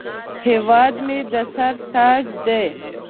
هیواد مې د سر تاج دی